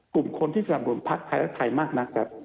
กลุ่มคนที่สนับสนุนทัศน์ชายใครละชายมากนะครับ